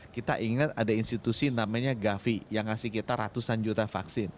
kita ingat ada institusi namanya gavi yang ngasih kita ratusan juta vaksin